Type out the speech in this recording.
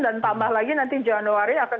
dan tambah lagi nanti januari akan